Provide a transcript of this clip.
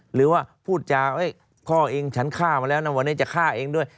หรือว่าพูดจาพ่อเองฉันฆ่ามาแล้วนะวันนี้จะฆ่าเองด้วย